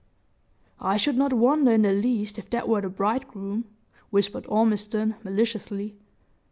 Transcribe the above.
"I should not wonder in the least if that were the bridegroom," whispered Ormiston, maliciously.